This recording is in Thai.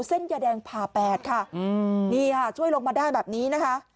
เส้นยาแดงผ่าแปดค่ะนี่ค่ะช่วยลงมาได้แบบนี้นะคะ